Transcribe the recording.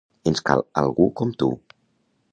Ens cal algú com tu.